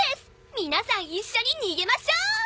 皆さん一緒に逃げましょう！